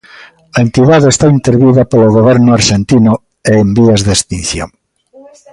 A entidade está intervida polo goberno arxentino e en vías de extinción.